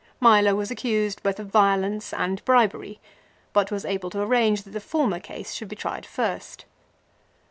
Milo was accused both of violence and bribery, but was able to arrange that the former case should be tried first.